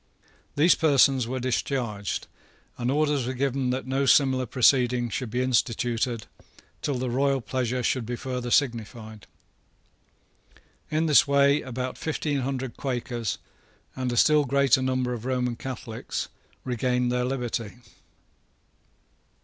These persons were discharged, and orders were given that no similar proceeding should be instituted till the royal pleasure should be further signified. In this way about fifteen hundred Quakers, and a still greater number of Roman Catholics, regained their liberty.